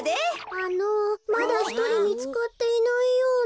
あのまだひとりみつかっていないような。